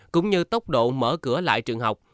cũng như tốc độ mở cửa lại trường học